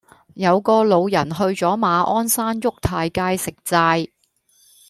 有個老人去左馬鞍山沃泰街食齋